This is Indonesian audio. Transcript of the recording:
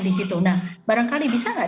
di situ nah barangkali bisa nggak